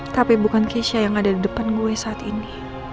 tapi bukan keisha yang ada di depan gue saat ini